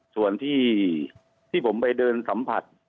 ส่วนที่ผมไปเดินสัมผัส